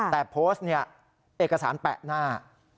แต่โพสต์เนี่ยเอกสารแปะหน้า